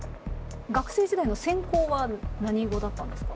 学生時代の専攻は何語だったんですか？